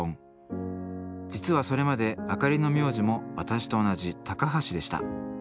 実はそれまで明里の名字も私と同じ「高橋」でした。